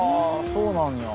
そうなんや。